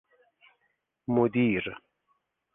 مدیر